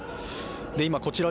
今、こちら、